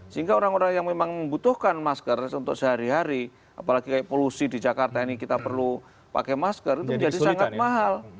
sehingga orang orang yang memang membutuhkan masker untuk sehari hari apalagi polusi di jakarta ini kita perlu pakai masker itu menjadi sangat mahal